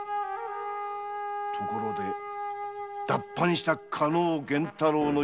ところで脱藩した加納源太郎の行方は？